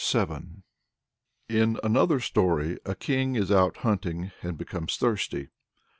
107 14.] In another story a king is out hunting and becomes thirsty.